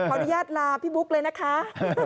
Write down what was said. ขออนุญาตลาพี่บุ๊กเลยนะคะ